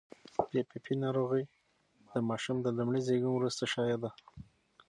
پي پي پي ناروغي د ماشوم د لومړي زېږون وروسته شایع ده.